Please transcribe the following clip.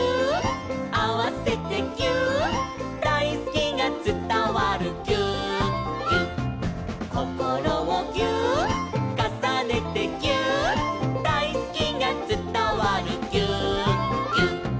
「あわせてぎゅーっ」「だいすきがつたわるぎゅーっぎゅっ」「こころをぎゅーっ」「かさねてぎゅーっ」「だいすきがつたわるぎゅーっぎゅっ」